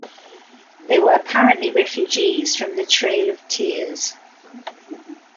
They were apparently refugees from the Trail of Tears.